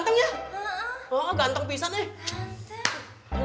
jangan jangan jangan jangan